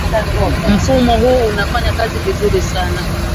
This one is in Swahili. mfumo huu unafanya kazi vizuri sana